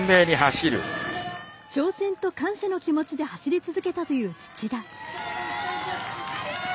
挑戦と感謝の気持ちで走り続けたという土田。